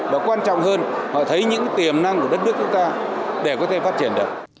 và quan trọng hơn họ thấy những tiềm năng của đất nước chúng ta để có thể phát triển được